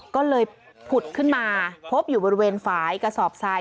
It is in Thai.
ก็เลยผุดขึ้นมาพบอยู่บริเวณฝ่ายกระสอบทราย